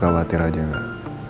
gua khawatir aja enak